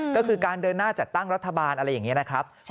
ก็คือการเดินหน้าจัดตั้งรัฐบาลอะไรอย่างนี้นะครับ